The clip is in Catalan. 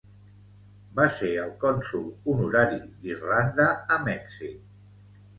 Va ser el cònsol honorari d'Irlanda a Mèxic.